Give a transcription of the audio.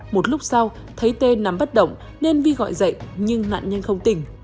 một lúc sau thấy tê nắm bắt động nên vi gọi dậy nhưng nạn nhân không tỉnh